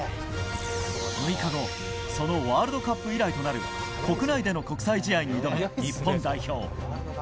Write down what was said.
６日後そのワールドカップ以来となる国内での国際試合に挑む日本代表。